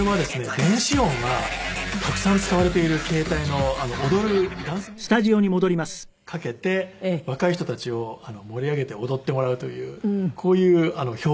電子音がたくさん使われている形態の踊るダンスミュージックをかけて若い人たちを盛り上げて踊ってもらうというこういう表現でございます。